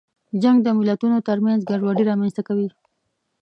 جنګ د ملتونو ترمنځ ګډوډي رامنځته کوي.